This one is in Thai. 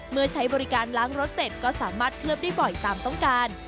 ใช้บริการล้างรถเสร็จก็สามารถเคลือบได้บ่อยตามต้องการ